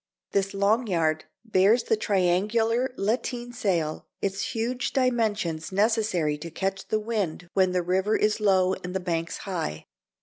This long yard bears the large triangular lateen sail, its huge dimensions necessary to catch the wind when the river is low and the banks high.